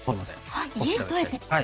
はい。